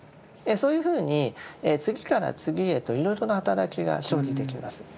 そういうふうに次から次へといろいろな働きが生じてきます。